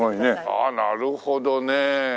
ああなるほどね。